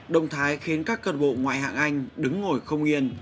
động thái khiến các cân bộ ngoại hạng anh đứng ngồi không yên